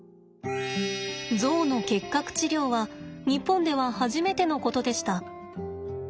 ゾウの結核治療は日本では初めてのことでした。